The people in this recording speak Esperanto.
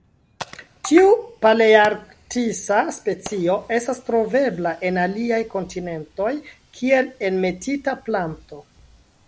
Tiu palearktisa specio estas trovebla en aliaj kontinentoj kiel enmetita planto.